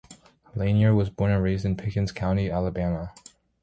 Lanier was born and raised in Pickens County, Alabama.